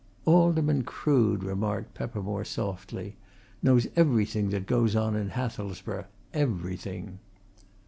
"Alderman Crood," remarked Peppermore softly, "knows everything that goes on in Hathelsborough everything!"